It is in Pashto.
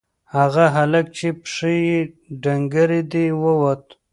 هغه هلک چې پښې یې ډنگرې دي ووت.